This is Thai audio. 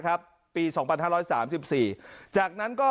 ๕๕๓๕๑ครับข้อประจำการครับ